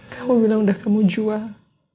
kamu bilang udah kamu jual